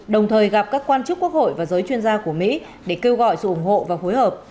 đồng thời gặp các quan chức quốc hội và giới chuyên gia của mỹ để kêu gọi sự ủng hộ và phối hợp